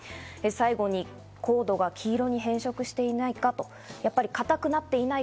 最後にコードが黄色く変色していないか、硬くなっていないか。